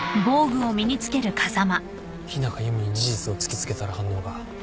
日中弓に事実を突き付けたら反応が。